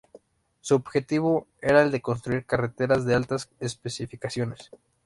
Su objetivo era el de construir carreteras de altas especificaciones.